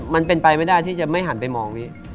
มันเป็นไปไม่ได้ที่จะไม่หันไปมองพี่